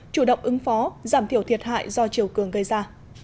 chủ động ứng phó giảm thiểu thiệt hại do chiều cường gây ra